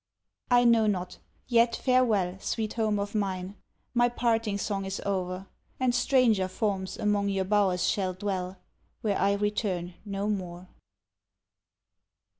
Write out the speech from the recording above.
I know not, yet farewell Sweet home of mine, my parting song is o'er, And stranger forms among your bowers shall dwell, Where I return no more.